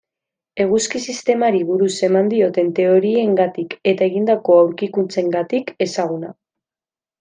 Eguzki-sistemari buruz eman dituen teoriengatik eta egindako aurkikuntzengatik ezaguna.